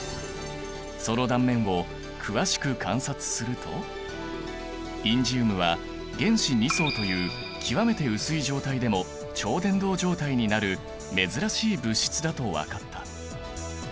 その断面を詳しく観察するとインジウムは原子２層という極めて薄い状態でも超伝導状態になる珍しい物質だと分かった。